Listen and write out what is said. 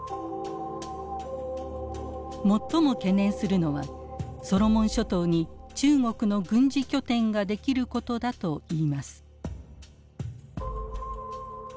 最も懸念するのはソロモン諸島に中国の軍事拠点が出来ることだといいます。